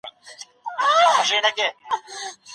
هغې یو نقل واخیست او په خوله کې یې کېښود.